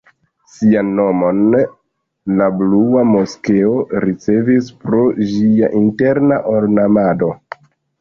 Sian nomon la Blua moskeo ricevis pro ĝia interna ornamado.